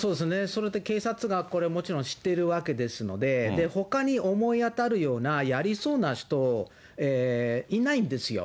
それで警察がこれ、もちろん知っているわけですので、ほかに思い当たるようなやりそうな人いないんですよ。